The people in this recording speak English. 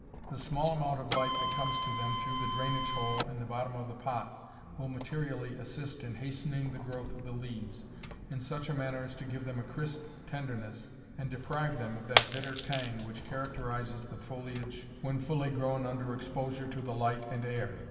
The small amount of light that comes to them through the drainage hole in the bottom of the pot will materially assist in hastening the growth of the leaves in such a manner as to give them a crisp tenderness and deprive them of that bitter tang which characterizes the foliage when fully grown under exposure to the light and air.